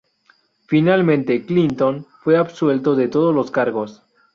Finalmente Clinton fue absuelto de todos los cargos.